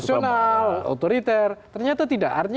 otoriter ternyata tidak